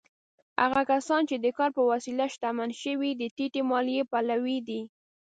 هغه کسان چې د کار په وسیله شتمن شوي، د ټیټې مالیې پلوي دي.